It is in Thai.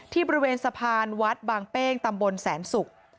บริเวณสะพานวัดบางเป้งตำบลแสนศุกร์